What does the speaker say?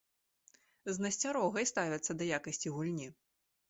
З насцярогай ставяцца да якасці гульні.